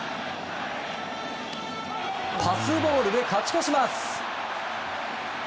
パスボールで勝ち越します。